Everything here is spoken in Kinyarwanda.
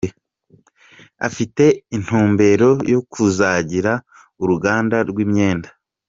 Afite intumbero yo kuzagira uruganda rw’imyenda.